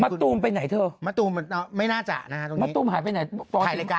มะตูมไปไหนเถอะมะตูมมันไม่น่าจะนะฮะตรงนี้มะตูมหายไปไหนถ่ายรายการ